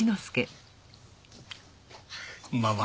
こんばんは。